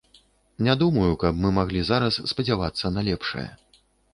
Не думаю, каб мы маглі зараз спадзявацца на лепшае.